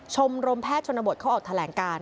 ชมรมแพทย์ชนบทเขาออกแถลงการ